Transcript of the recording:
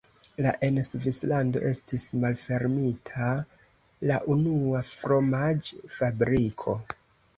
La en Svislando estis malfermita la unua fromaĝ-fabriko.